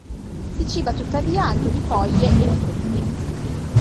Si ciba tuttavia anche di foglie e frutti.